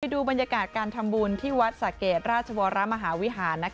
ดูบรรยากาศการทำบุญที่วัดสะเกดราชวรมหาวิหาร